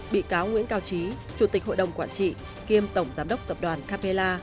bị cáo nguyễn cao trí chủ tịch hội đồng quản trị kiêm tổng giám đốc tập đoàn capella